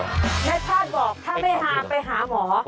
นัทฮาตบอกถ้าไปหาไปหาหมอ